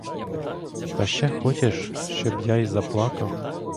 Та ще хочеш, щоб я й заплакав?